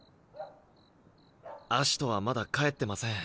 葦人はまだ帰ってません。